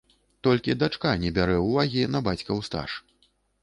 Толькі дачка не бярэ ўвагі на бацькаў стаж.